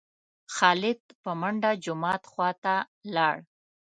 خالد په منډه جومات خوا ته لاړ.